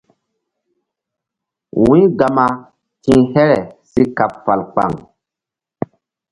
Wu̧y gama ti̧h here si kaɓ fal kpaŋ.